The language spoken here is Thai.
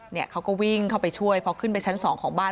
เนี่ยเขาก็วิ่งเข้าไปช่วยพอขึ้นไปชั้นสองของบ้าน